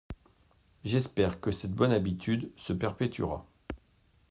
J’espère que cette bonne habitude se perpétuera.